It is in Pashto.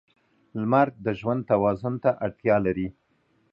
• لمر د ژوند توازن ته اړتیا لري.